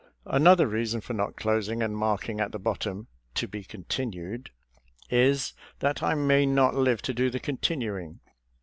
Another reason for not closing and marking at the bottom " to be continued " is that I may not live to do the continuing.